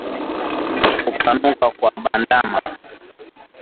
Kupanuka kwa bandama